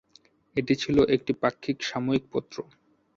এটি ছিল একটি পাক্ষিক সাময়িক পত্র।